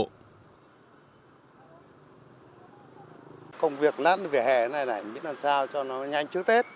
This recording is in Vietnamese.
công việc lăn vỉa hè này này mình nghĩ làm sao cho nó nhanh trước tết